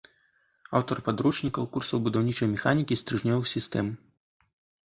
Аўтар падручнікаў, курсаў будаўнічай механікі стрыжнёвых сістэм.